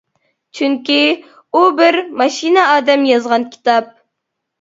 چۈنكى ئۇ بىر ماشىنا ئادەم يازغان كىتاب.